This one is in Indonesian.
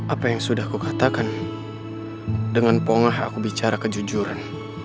apa yang sudah kukatakan dengan pongah aku bicara kejujuran